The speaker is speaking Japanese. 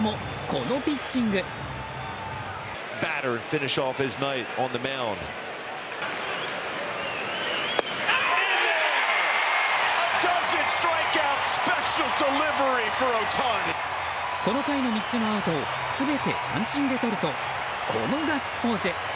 この回の３つのアウトを全て三振でとるとこのガッツポーズ。